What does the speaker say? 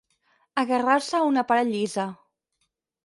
Agarrar-se a una paret llisa.